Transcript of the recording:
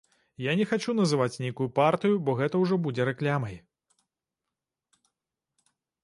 Я не хачу называць нейкую партыю, бо гэта ўжо будзе рэкламай.